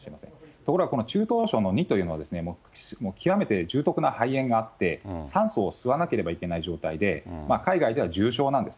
ところが、この中等症の２というのは、もう極めて重篤な肺炎があって、酸素を吸わなければいけない状態で、海外では重症なんです。